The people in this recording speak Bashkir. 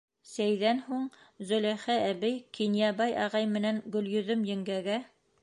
Сәйҙән һуң Зөләйха әбей Кинйәбай ағай менән Гөлйөҙөм еңгәгә: